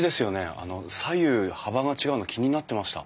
左右幅が違うの気になってました。